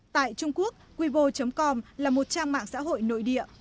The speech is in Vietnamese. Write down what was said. tại trung quốc wivo com là một trang mạng xã hội nội địa